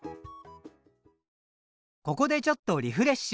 ここでちょっとリフレッシュ！